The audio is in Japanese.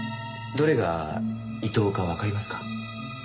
どれがイトウかわかりますか？